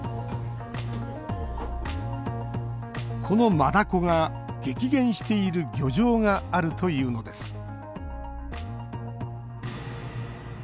このマダコが激減している漁場があるというのです。